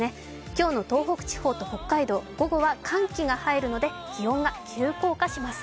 今日の東北地方と北海道、午後は寒気が入るので気温が急降下します。